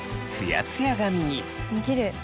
きれい。